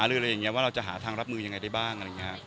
หรืออะไรอย่างนี้ว่าเราจะหารับมือยังไงได้บ้าง